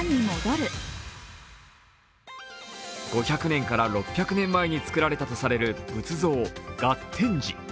５００年から６００年前に作られたとされる仏像、月天子。